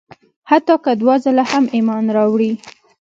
حتی که دوه ځله هم ایمان راوړي.